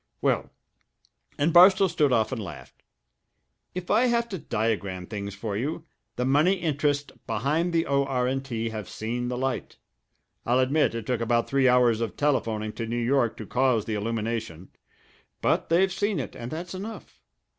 Well" and Barstow stood off and laughed "if I have to diagram things for you, the money interests behind the O.R. & T. have seen the light. I'll admit it took about three hours of telephoning to New York to cause the illumination; but they've seen it, and that's enough.